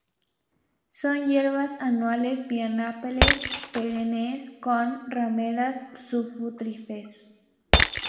Son hierbas anuales, bienales o perennes, más raramente sufrútices.